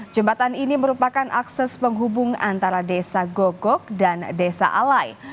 jembatan ini merupakan akses penghubung antara desa gogok dan desa alai